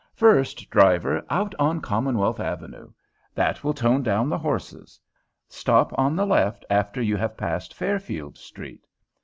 "First, driver, out on Commonwealth Avenue. That will tone down the horses. Stop on the left after you have passed Fairfield Street."